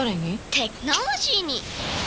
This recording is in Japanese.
テクノロジーに！